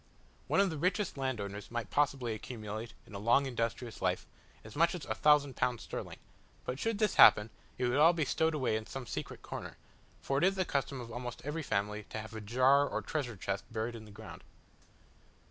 One of the richest landowners might possibly accumulate, in a long industrious life, as much as 1000 pounds sterling; but should this happen, it would all be stowed away in some secret corner, for it is the custom of almost every family to have a jar or treasure chest buried in the ground.